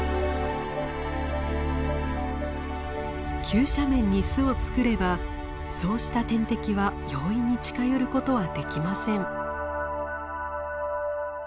急斜面に巣を作ればそうした天敵は容易に近寄ることはできません。